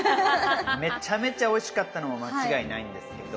めちゃめちゃおいしかったのは間違いないんですけど。